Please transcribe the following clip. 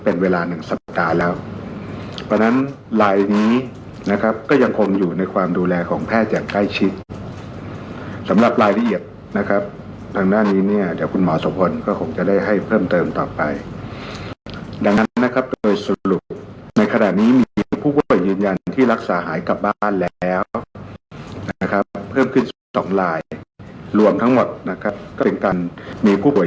เป็นเวลาหนึ่งสัปดาห์แล้วเพราะฉะนั้นลายนี้นะครับก็ยังคงอยู่ในความดูแลของแพทย์อย่างใกล้ชิดสำหรับรายละเอียดนะครับทางด้านนี้เนี่ยเดี๋ยวคุณหมอสมพลก็คงจะได้ให้เพิ่มเติมต่อไปดังนั้นนะครับโดยสรุปในขณะนี้มีผู้ป่วยยืนยันที่รักษาหายกลับบ้านแล้วนะครับเพิ่มขึ้นสองลายรวมทั้งหมดนะครับก็เป็นการมีผู้ป่